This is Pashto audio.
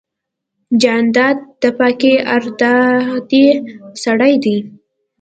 جانداد د پاکې ارادې سړی دی.